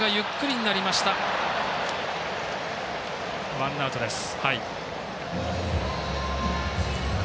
ワンアウトです。